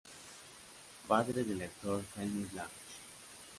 Padre del actor Jaime Blanch.